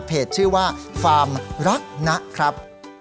ชื่อว่าฟาร์มรักนะครับ